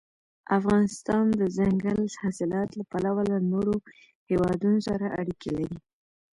افغانستان د دځنګل حاصلات له پلوه له نورو هېوادونو سره اړیکې لري.